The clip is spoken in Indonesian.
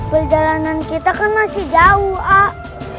perjalanan kita kan masih jauh ak